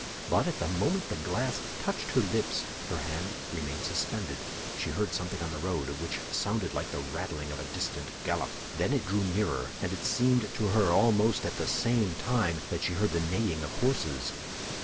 But at the moment the glass touched her lips, her hand remained suspended; she heard something on the road which sounded like the rattling of a distant gallop. Then it grew nearer, and it seemed to her, almost at the same time, that she heard the neighing of horses.